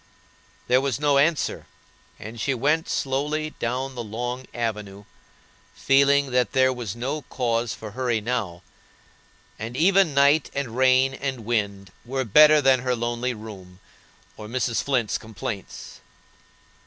There was no answer, and she went slowly down the long avenue, feeling that there was no cause for hurry now, and even night and rain and wind were better than her lonely room or Mrs. Flint's complaints.